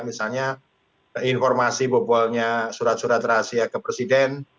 misalnya informasi bobolnya surat surat rahasia ke presiden